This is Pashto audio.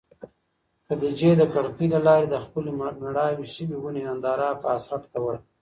خدیجې د کړکۍ له لارې د خپلې مړاوې شوې ونې ننداره په حسرت کوله.